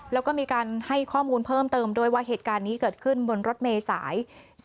แล้วก็มีการให้ข้อมูลเพิ่มเติมด้วยว่าเหตุการณ์นี้เกิดขึ้นบนรถเมษาย